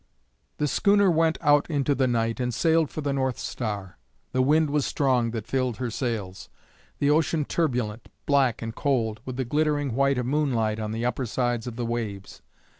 The schooner went out into the night and sailed for the north star. The wind was strong that filled her sails; the ocean turbulent, black and cold, with the glittering white of moonlight on the upper sides of the waves.